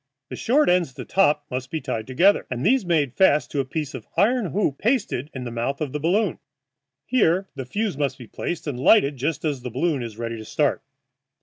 The short ends at the top must be tied together, and these made fast to a piece of iron hoop pasted in the mouth of the balloon. Here the fuse must be placed and lighted just as the balloon is ready to start.